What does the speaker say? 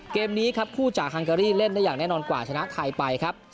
เกมนี้ครับคู่จากฮังการีเล่นได้อย่างแน่นอนกว่าชนะไทยไปครับ